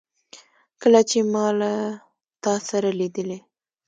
کله چي ما له تا سره لیدلې